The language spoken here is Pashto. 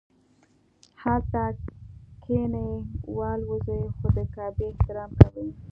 هلته کښیني والوځي خو د کعبې احترام کوي.